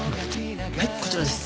はいこちらです。